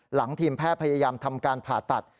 ทีมแพทย์พยายามทำการผ่าตัด